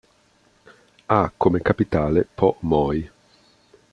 Ha come capitale Pho Moi.